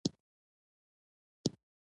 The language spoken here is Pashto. دا د سوداګرو احتمالي زیانونو ویره لرې کوي.